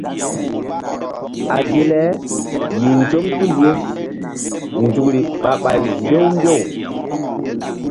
A ge le yih nzɔm tul ye nzukri ɓah ɓay mbew mbew.